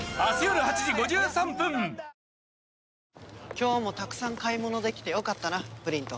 今日もたくさん買い物できてよかったなフリント。